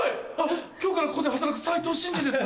今日からここで働く斉藤慎二です。